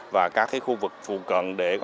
và các khu vực phù cận